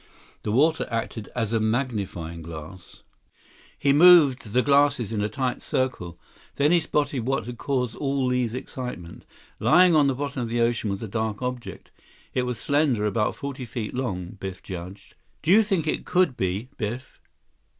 The water acted as a magnifying glass. He moved the glasses in a tight circle. Then he spotted what had caused all Li's excitement. Lying on the bottom of the ocean was a dark object. It was slender, about forty feet long, Biff judged. "Do you think it could be, Biff?